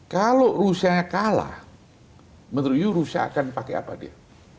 kalau rusia kalah menurut anda rusia akan pakai apa dia